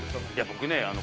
僕ね。